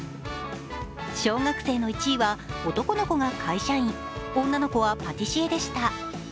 小学生の１位は、男の子が会社員、女の子はパティシエでした。